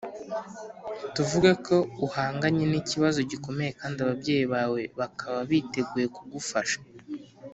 Tuvuge ko uhanganye n ikibazo gikomeye kandi ababyeyi bawe bakaba biteguye kugufasha